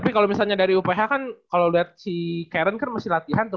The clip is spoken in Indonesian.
tapi kalau misalnya dari uph kan kalau lihat si karen kan mesti latihan tuh